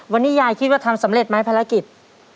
วันนี้ยายคิดว่าทำสำเร็จไหมภารกิจ